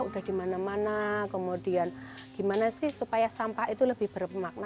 sudah di mana mana kemudian gimana sih supaya sampah itu lebih bermakna